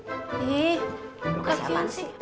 lo kasih apaan sih